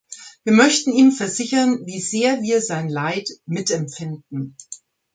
Wir möchten ihm versichern, wie sehr wir sein Leid mitempfinden.